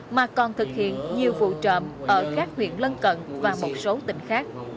mà còn thực hiện nhiều vụ trộm ở các huyện lân cận và một số tỉnh khác